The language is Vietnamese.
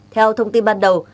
theo thông tin ban đầu